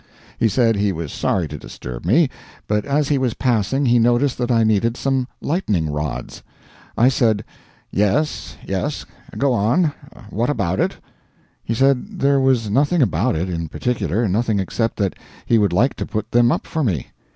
He said he was sorry to disturb me, but as he was passing he noticed that I needed some lightning rods. I said, "Yes, yes go on what about it?" He said there was nothing about it, in particular nothing except that he would like to put them up for me.